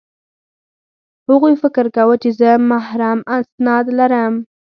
هغوی فکر کاوه چې زه محرم اسناد لرم